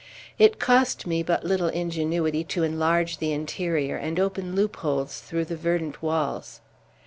It cost me but little ingenuity to enlarge the interior, and open loopholes through the verdant walls.